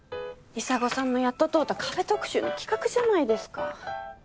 砂金さんのやっと通ったカフェ特集の企画じゃないですか。